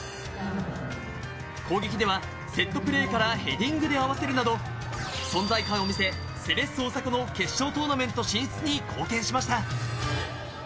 攻撃ではセットプレーからヘディングで合わせるなど、存在感を見せ、セレッソ大阪の決勝トーナメント進出に貢献しました。